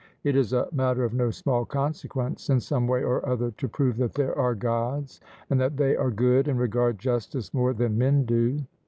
It is a matter of no small consequence, in some way or other to prove that there are Gods, and that they are good, and regard justice more than men do.